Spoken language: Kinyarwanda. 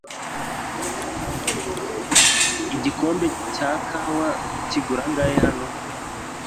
Igikombe cya kawa kigura angahe hano?